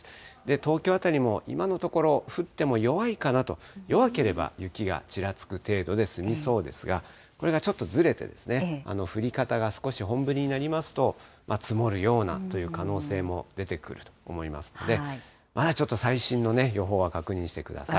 東京辺りも今のところ、降っても弱いかなと、弱ければ雪がちらつく程度ですみそうですが、これがちょっとずれて、降り方が少し本降りになりますと、積もるようなという可能性も出てくると思いますので、ちょっと最新の予報は確認してください。